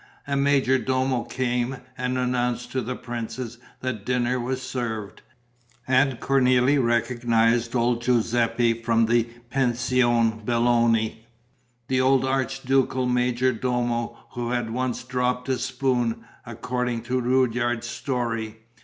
A major domo came and announced to the princess that dinner was served. And Cornélie recognized old Giuseppe from the Pension Belloni, the old archducal major domo, who had once dropped a spoon, according to Rudyard's story.